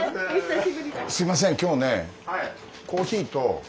すみません今日ねコーヒーと例の。